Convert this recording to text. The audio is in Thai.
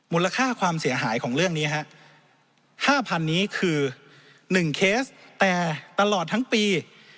มูลค่าความเสียหายของเรื่องนี้ฮะ๕๐๐นี้คือ๑เคสแต่ตลอดทั้งปี